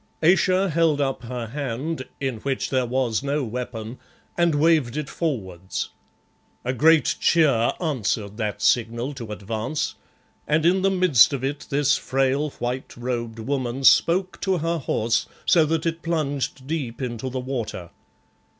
Ayesha held up her hand, in which there was no weapon, and waved it forwards. A great cheer answered that signal to advance, and in the midst of it this frail, white robed woman spoke to her horse, so that it plunged deep into the water.